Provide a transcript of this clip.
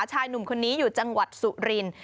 ชายหนุ่มคนนี้อยู่จังหวัดสุรินทร์